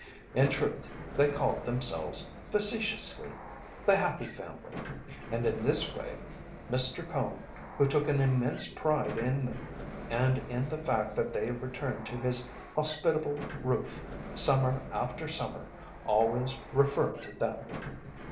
In truth, they called themselves facetiously "The Happy Family," and in this way Mr. Cone, who took an immense pride in them and in the fact that they returned to his hospitable roof summer after summer, always referred to them.